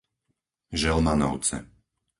Želmanovce